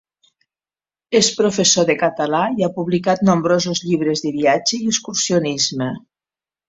És professor de català, i ha publicat nombrosos llibres de viatge i excursionisme.